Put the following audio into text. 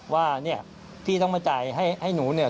ว่าเนี่ยพี่ต้องมาจ่ายให้หนูเนี่ย